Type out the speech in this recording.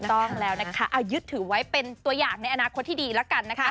ต้องแล้วนะคะเอายึดถือไว้เป็นตัวอย่างในอนาคตที่ดีแล้วกันนะคะ